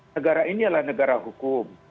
negara ini adalah negara hukum